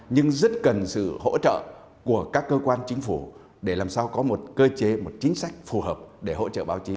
nhưng rất cần sự hỗ trợ của các cơ quan chính phủ để làm sao có một cơ chế một chính sách phù hợp để hỗ trợ báo chí